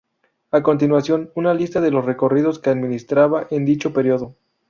A continuación, una lista de los recorridos que administraba en dicho período.